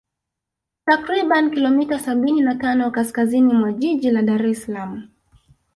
Takribani kilomita sabini na tano kaskaziini mwa Jiji la Daressalaam